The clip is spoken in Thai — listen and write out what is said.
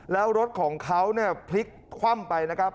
แล้วรถของเขาเนี่ยพลิกคว่ำไปนะครับ